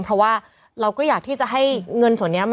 เพราะว่าเราก็อยากที่จะให้เงินส่วนนี้